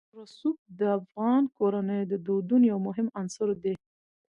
رسوب د افغان کورنیو د دودونو یو مهم عنصر دی.